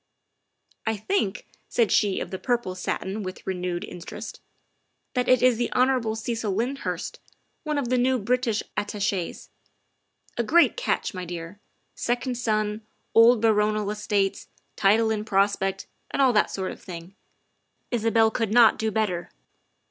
I think," said she of the purple satin with renewed interest, " that it is the Hon. Cecil Lyndhurst, one of the new British Attaches. A great catch, my dear. Second son, old baronial estates, title in prospect, and all that sort of thing. Isabel could not do better.